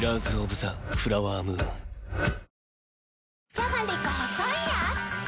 じゃがりこ細いやーつ